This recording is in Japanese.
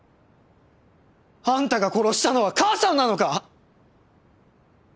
あんたが殺したのは母さんなのか！？